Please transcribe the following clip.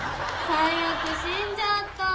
最悪、死んじゃった。